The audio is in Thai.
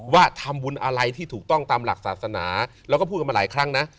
ว่าทำบุญอะไรที่ถูกต้องตามหลักศาสนาแล้วก็พูดกันมาหลายครั้งนะ